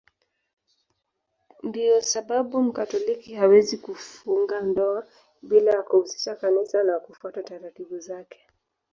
Ndiyo sababu Mkatoliki hawezi kufunga ndoa bila ya kuhusisha Kanisa na kufuata taratibu zake.